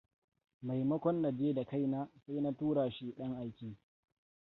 Maimakon na je da kaina, sai na tura dan aike.